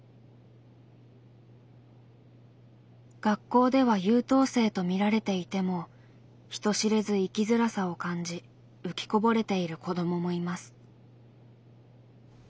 学校では優等生と見られていても人知れず生きづらさを感じ浮きこぼれている子どももいます。